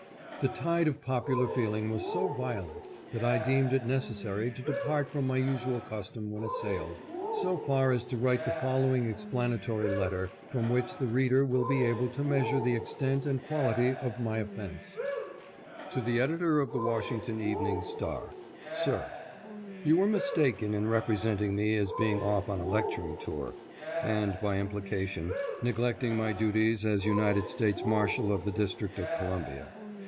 The tide of popular feeling was so violent, that I deemed it necessary to depart from my usual custom when assailed, so far as to write the following explanatory letter, from which the reader will be able to measure the extent and quality of my offense: " To the Editor of the Washington Evening Star: "Sir: — You were mistaken in representing me as being off on a lecturing tour, and, by implication, neglecting my duties as United States Marshal of the District of Columbia.